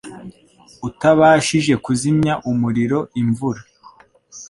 utabashije kuzimya umuriro imvura